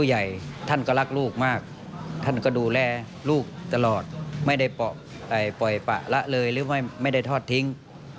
ไม่อยากให้ทำแบบให้มันเกิดอย่างนี้อีก